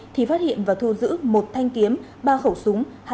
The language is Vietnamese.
thì phát hiện và thu giữ một thanh kiếm ba khẩu súng